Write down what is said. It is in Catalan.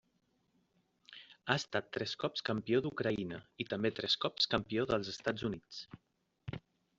Ha estat tres cops campió d'Ucraïna, i també tres cops campió dels Estats Units.